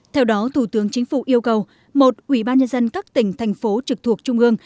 theo đó thủ tướng chính phủ yêu cầu một ủy ban nhân dân các tỉnh thành phố trực thuộc trung ương